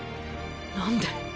何で？